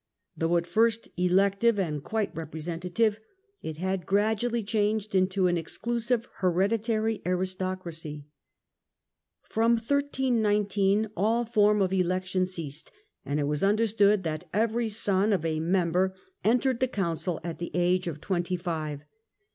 Though at first elec tive and quite representative, it had gradually changed into an exclusive hereditary aristocracy. From 1319 all form of election ceased, and it was understood that every son of a member entered the Council at the age of twenty five.